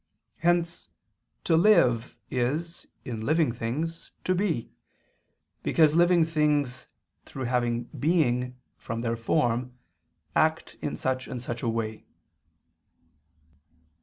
Hence to live is, in living things, to be, because living things through having being from their form, act in such and such a way.